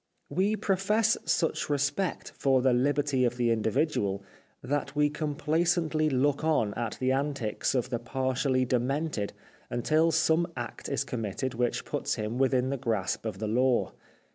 We profess such re spect for the hberty of the individual that we complacently look on at the antics of the partially demented until some act is committed which puts him within the grasp of the law.